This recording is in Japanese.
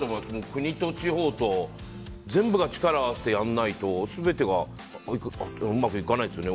国と地方と全部が力を合わせてやらないと全てがうまくいかないですよね。